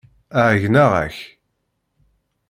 Ɛeyyneɣ-ak.